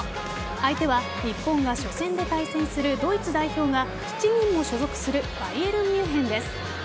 相手は日本が初戦で対戦するドイツ代表が７人も所属するバイエルンミュンヘンです。